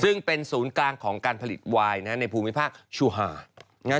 ซึ่งเป็นศูนย์กลางของการผลิตวายในภูมิภาคชูหา